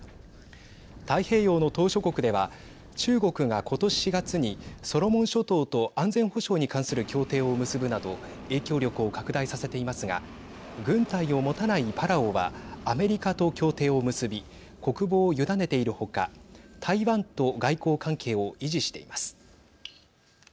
太平洋の島しょ国では中国が、ことし４月にソロモン諸島と安全保障に関する協定を結ぶなど影響力を拡大させていますが軍隊を持たないパラオはアメリカと協定を結び国防を委ねているほか台湾と外交関係を維持しています。